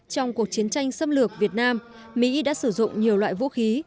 trong cuộc chiến tranh xâm lược việt nam mỹ đã sử dụng nhiều loại vũ khí